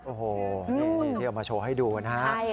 โอ้โฮนี่ที่เรามาโชว์ให้ดูนะครับ